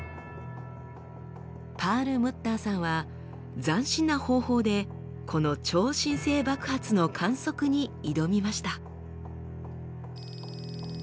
パールムッターさんは斬新な方法でこの超新星爆発の観測に挑みました。